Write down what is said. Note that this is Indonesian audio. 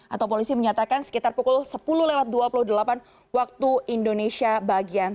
atau polisi menyatakan sekitar pukul sepuluh dua puluh delapan wib